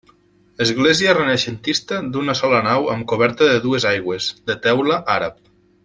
Església renaixentista d'una sola nau amb coberta de dues aigües, de teula àrab.